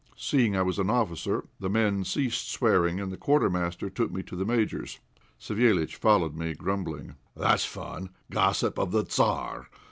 Seeing I was an officer, the men ceased swearing, and the Quartermaster took me to the Major's. Savéliitch followed me, grumbling "That's fun gossip of the Tzar!